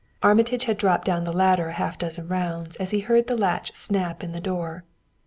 Armitage had dropped down the ladder half a dozen rounds as he heard the latch snap in the door.